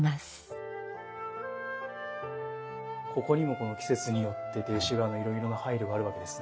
ここにも季節によって亭主側のいろいろな配慮があるわけですね。